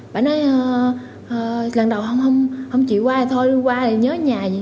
bà nói lần đầu không chị qua thì thôi qua thì nhớ nhà